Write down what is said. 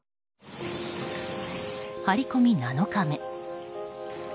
張り込み７日目。